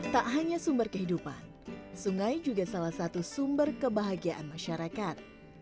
tak hanya sumber kehidupan sungai juga salah satu sumber kebahagiaan masyarakat